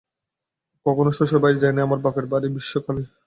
কখনো শ্বশুরবাড়ি যাই নাই, আমার বাপের বাড়ি বিশুখালি।